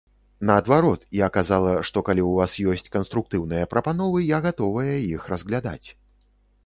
Наадварот, я казала, што калі ў вас ёсць канструктыўныя прапановы, я гатовая іх разглядаць.